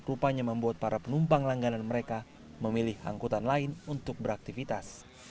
rupanya membuat para penumpang langganan mereka memilih angkutan lain untuk beraktivitas